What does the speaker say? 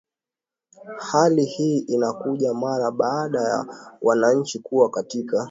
hali hii inakuja mara baada ya wananchi kuwa katika